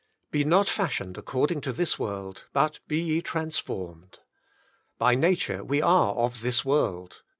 " Be not fashioned according to this world, but be ye transformed." By nature we are of this world.